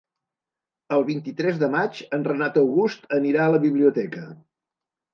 El vint-i-tres de maig en Renat August anirà a la biblioteca.